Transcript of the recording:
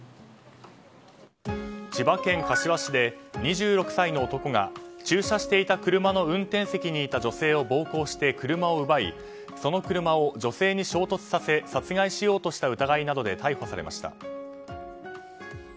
千葉県柏市で２６歳の男が駐車していた車の運転席にいた女性を暴行して車を奪い、その車を女性に衝突させ殺害しようとした疑いなどで逮捕されました。